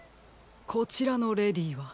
こちらのレディーは？